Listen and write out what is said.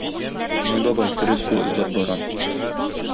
Мин, бабай, тере су эзләп барам.